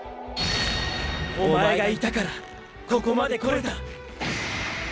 おまえがいたからここまで来れた！！